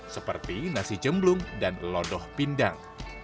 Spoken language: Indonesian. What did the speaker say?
seperti nasi jemblung dan lodoh pindang